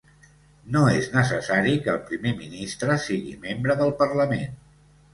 No és necessari que el Primer Ministre sigui membre del parlament.